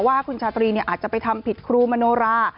ว่าคุณชาตรีอาจจะไปทำผิดครูมโนรา